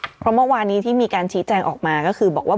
เพราะเมื่อวานนี้ที่มีการชี้แจงออกมาก็คือบอกว่า